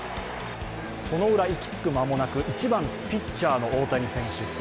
そのウラ、息つく間もなく１番・ピッチャーの大谷選手。